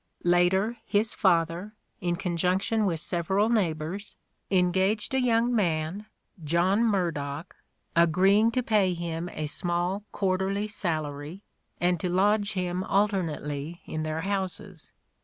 ... (Later, his father), in conjunction with several neighbours, engaged a young man, John Murdock, agreeing to pay him a small quarterly salary, and to lodge him alternately in their houses.